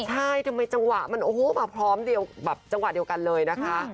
ใช่ทำไมจังหวะมันโอ้โหมาพร้อมเดียวแบบจังหวะเดียวกันเลยนะคะ